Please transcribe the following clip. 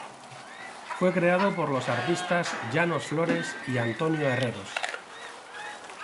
Fue creado por los artistas Llanos Flores y Antonio Herreros.